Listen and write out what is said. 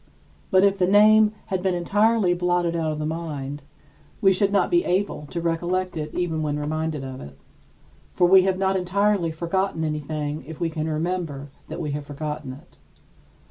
But if the name had been entirely blotted out of the mind, we should not be able to recollect it even when reminded of it. For we have not entirely forgotten anything if we can remember that we have forgotten it.